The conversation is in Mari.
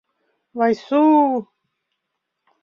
Вайсу...